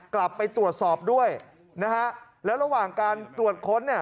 กลับไปตรวจสอบด้วยและระหว่างการตรวจค้น